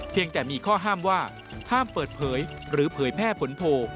ยังแต่มีข้อห้ามว่าห้ามเปิดเผยหรือเผยแพร่ผลโพล